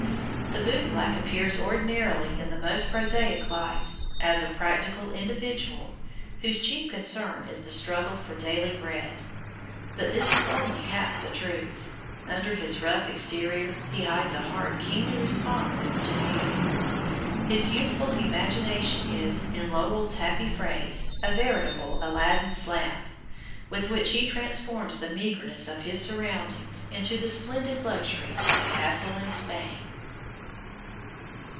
The boot black appears ordinarily in the most prosaic light, as a practical individual, whose chief concern is the struggle for daily bread. But this is only half the truth. Under his rough exterior he hides a heart keenly responsive to beauty. His youthful imagination is, in Lowell's happy phrase, a veritable Aladdin's lamp, with which he transforms the meagreness of his surroundings into the splendid luxuries of a castle in Spain.